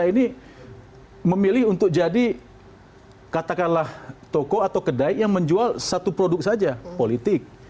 ini memilih untuk jadi katakanlah toko atau kedai yang menjual satu produk saja politik